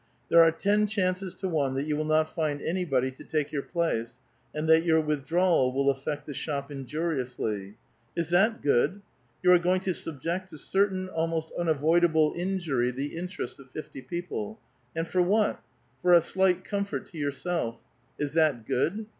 There are ten chances to one that you will not find an\ body to take your place, and that your withdrawal will affect the shop injur iousl}'. Is that good? You are going to subject to certain, almost unavoidable, injury the interests of Mty people; and for what? For a slight comfort to yourself. Is that good?